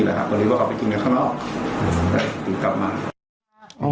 แล้วถึงกลับมา